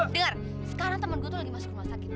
dengar sekarang temen gue tuh lagi masuk rumah sakit